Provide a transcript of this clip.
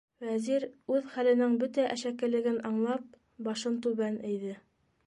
Вәзир, үҙ хәленең бөтә әшәкелеген аңлап, башын түбән эйҙе.